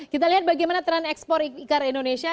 kita lihat bagaimana tren ekspor ikan indonesia